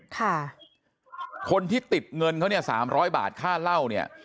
ค่ะคนที่ติดเงินเขาเนี่ยสามร้อยบาทค่าเหล้าเนี่ย